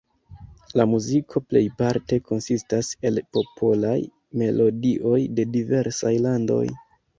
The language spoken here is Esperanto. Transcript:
La muziko plejparte konsistas el popolaj melodioj de diversaj landoj.